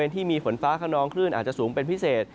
ที่มีฝนฟ้าขนองคลื่นอาจจะสูงเป็นพิเศษ